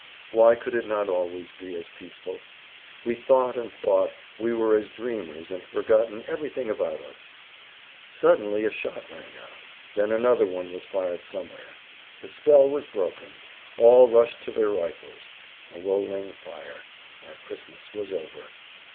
Why could it not always be as peaceful? We thought and thought, we were as dreamers, and had forgotten everything about us.—Suddenly a shot rang out; then another one was fired somewhere. The spell was broken. All rushed to their rifles. A rolling fire. Our Christmas was over.